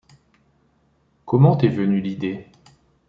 Comment t’es venue l’idée ?